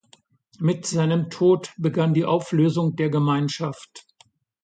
Mit seinem Tod begann die Auflösung der Gemeinschaft.